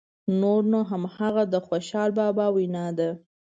نور نو همغه د خوشحال بابا وینا ده.